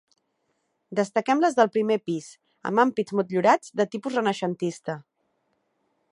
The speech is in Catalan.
Destaquem les del primer pis, amb ampits motllurats de tipus renaixentista.